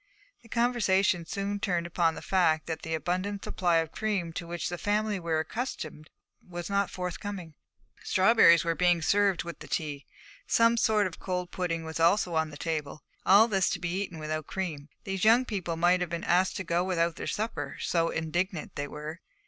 The conversation soon turned upon the fact that the abundant supply of cream to which the family were accustomed was not forthcoming. Strawberries were being served with the tea; some sort of cold pudding was also on the table; and all this to be eaten without cream, these young people might have been asked to go without their supper, so indignant they were.